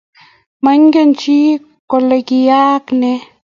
Maingechi kole kiyaak ne